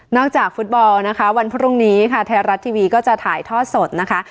จากฟุตบอลนะคะวันพรุ่งนี้ค่ะไทยรัฐทีวีก็จะถ่ายทอดสดนะคะ